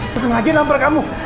peseng aja nampar kamu